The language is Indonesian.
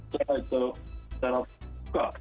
saya itu secara suka